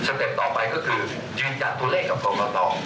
สเต็ปต่อไปก็คือยืนยันตัวเลขกับคนก่อนต่อ